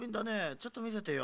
ちょっとみせてよ。